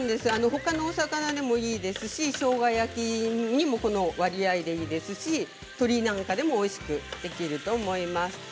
他の魚でもいいですししょうが焼きにもこの割合でいいですし鶏なんかでもおいしくできると思います。